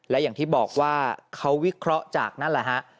และอย่างที่บอกว่าเขาวิเคราะห์จากนั่นแหละฮะ